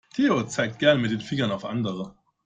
Theo zeigt gerne mit dem Finger auf andere.